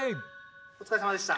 おつかれさまでした。